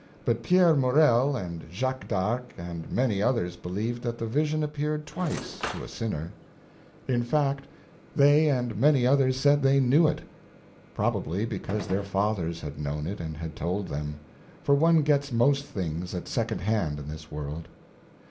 But Pierre Morel and Jacques d'Arc, and many others believed that the vision appeared twice—to a sinner. In fact, they and many others said they knew it. Probably because their fathers had known it and had told them; for one gets most things at second hand in this world.